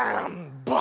バー！